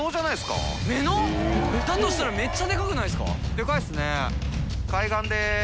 デカいですね。